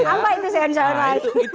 apa itu ceyun ceyun lain